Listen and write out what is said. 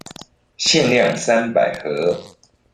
限量三百盒